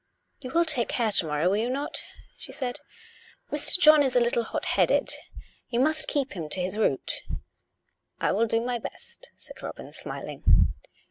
" You will take care to morrow, will you not? " sHe said. COME RACK! COME ROPE! 371 Mr. John is a little hot headed. You must keep him to his route ?"" I will do my best," said Robin, smiling.